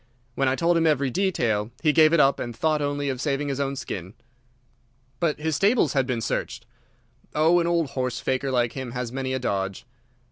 When I told him every detail he gave it up and thought only of saving his own skin." "But his stables had been searched?" "Oh, an old horse faker like him has many a dodge."